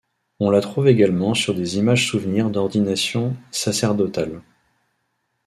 On la trouve également sur des images-souvenirs d’ordination sacerdotale.